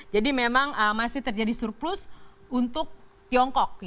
jadi memang masih terjadi surplus untuk tiongkok